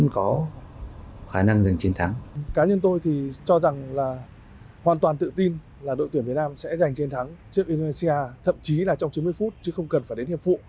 cá nhân tôi thì cho rằng là hoàn toàn tự tin là đội tuyển việt nam sẽ giành chiến thắng trước indonesia thậm chí là trong chín mươi phút chứ không cần phải đến hiệp vụ